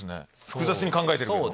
複雑に考えてるけど。